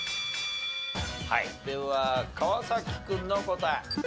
はいでは川君の答え。